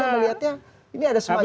anda melihatnya ini ada semacam